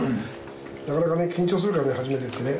なかなかね緊張するからね初めてってね。